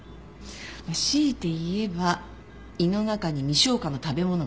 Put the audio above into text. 強いて言えば胃の中に未消化の食べ物が残ってた。